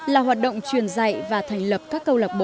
là hoạt động truyền dạy và thành lập các câu lạc bộ